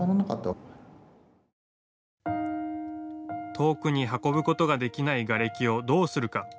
遠くに運ぶことができないがれきをどうするか。